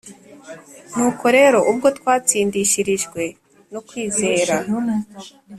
Nuko rero ubwo twatsindishirijwe no kwizera,